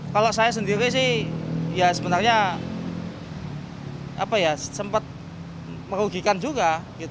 kalau saya sendiri sih ya sebenarnya sempat merugikan juga